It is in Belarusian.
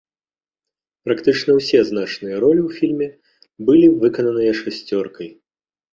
Практычна ўсе значныя ролі ў фільме былі выкананыя шасцёркай.